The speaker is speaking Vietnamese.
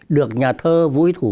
được nhà thơ vũ thủ